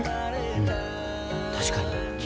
うん確かに。